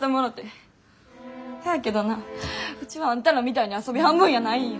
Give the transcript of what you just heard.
せやけどなウチはあんたらみたいに遊び半分やないんや！